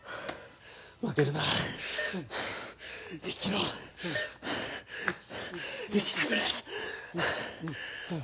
負けるな生きろ生きてくれっ